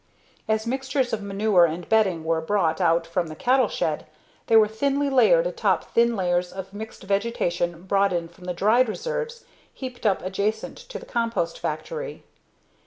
As mixtures of manure and bedding were brought out from the cattle shed they were thinly layered atop thin layers of mixed vegetation brought in from the dried reserves heaped up adjacent to the compost factory.